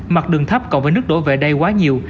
mặt đường thấp cộng với nước đổ về đây quá nhiều